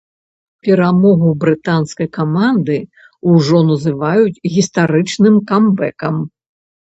Перамогу брытанскай каманды ўжо называюць гістарычным камбэкам.